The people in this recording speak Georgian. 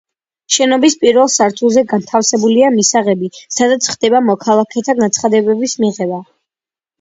შენობის პირველ სართულზე განთავსებულია მისაღები, სადაც ხდება მოქალაქეთა განცხადებების მიღება.